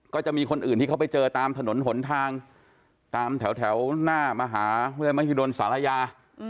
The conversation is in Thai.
ก็จะมีคนอื่นที่เขาไปเจอตามถนนหนทางตามแถวหน้ามหาวิทยาลัยมหิดลศาลายา